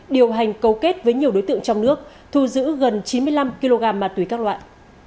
điều hành cấu kết với nhiều đối tượng trong nước thu giữ gần chín mươi năm kg ma túy các loại